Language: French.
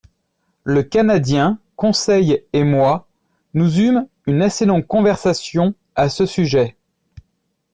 Le Canadien, Conseil et moi, nous eûmes une assez longue conversation à ce sujet.